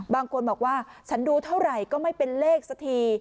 บางคนบอกว่าฉันดูเท่าไหร่ก็ไม่เป็นเลขสักที